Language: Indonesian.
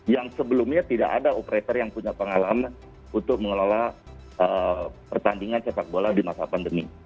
yang sebelumnya tidak ada operator yang punya pengalaman untuk mengelola pertandingan sepak bola di masa pandemi